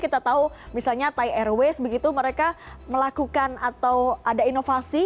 kita tahu misalnya thai airways begitu mereka melakukan atau ada inovasi